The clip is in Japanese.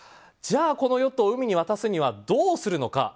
じゃあこのヨットを海に渡すにはどうするのか。